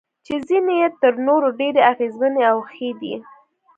چې ځینې یې تر نورو ډېرې اغیزمنې او ښې دي.